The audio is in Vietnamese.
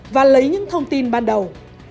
và lấy những thông tin ban đầu